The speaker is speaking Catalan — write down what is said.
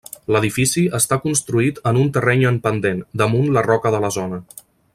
L'edifici està construït en un terreny en pendent, damunt la roca de la zona.